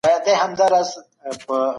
روښانه فکر باور نه زیانمنوي.